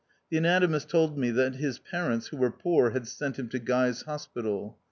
The Anatomist told me that his parents, who were poor, had sent him to Guy's Hospital.